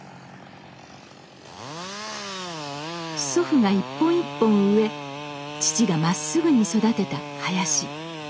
祖父が一本一本植え父がまっすぐに育てた林。